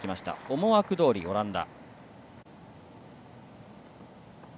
思惑どおりオランダ。